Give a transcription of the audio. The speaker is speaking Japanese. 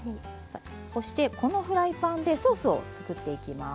そしてこのフライパンでソースを作っていきます。